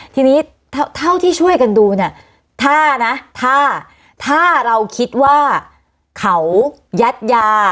ทีนี้เท่าที่ช่วยกันดูเนี่ยถ้านะถ้าถ้าเราคิดว่าเขายัดยา